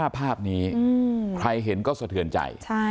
ภาพนี้ใครเห็นก็สะเทือนใจ